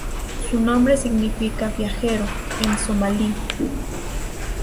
Su nombre significa "Viajero" en somalí.